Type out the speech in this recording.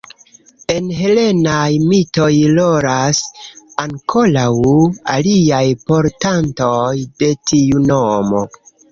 En helenaj mitoj rolas ankoraŭ aliaj portantoj de tiu nomo.